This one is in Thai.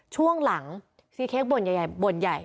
ช่วงหลังซีเค้กบ่นใหญ่บ่นใหญ่